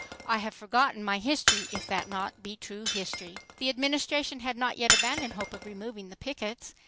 I have forgotten my history, if that be not true history.'" The Administration had not yet abandoned hope of removing the pickets.